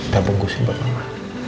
dabungku sih buat mama